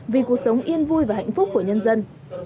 vì cuộc sống yên vui và hạnh phúc của nhân dân